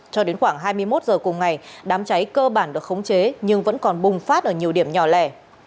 cho đến khoảng hai mươi một h cùng ngày đám cháy cơ bản được khống chế nhưng vẫn còn bùng phát ở nhiều điểm nhỏ lẻ